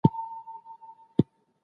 ددې ښايستې نړۍ بدرنګه خلک